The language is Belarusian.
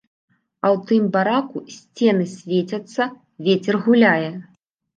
А ў тым бараку сцены свецяцца, вецер гуляе.